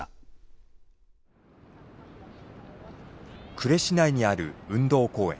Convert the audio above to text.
呉市内にある運動公園。